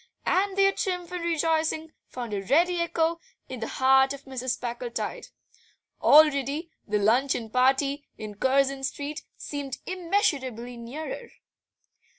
And their triumph and rejoicing found a ready echo in the heart of Mrs. Packletide; already that luncheon party in Curzon Street seemed immeasurably nearer.